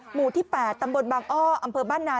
หมู่ที่๘ตำบลบางอ้ออำเภอบ้านนา